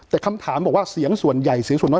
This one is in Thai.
แต่คำถามบอกว่าเสียงส่วนใหญ่เสียงส่วนน้อย